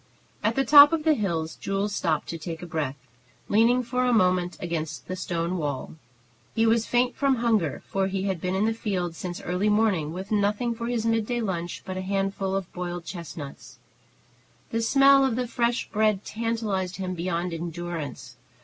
At the top of the hill Jules stopped to take breath, leaning for a moment against the stone wall. He was faint from hunger, for he had been in the fields since early morning, with nothing for his midday lunch but a handful of boiled chestnuts. The smell of the fresh bread tantalized him beyond endurance.